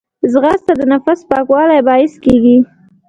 ځغاسته د نفس پاکوالي باعث کېږي